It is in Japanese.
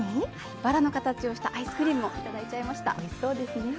バラの形をしたアイスクリームをいただいちゃいました。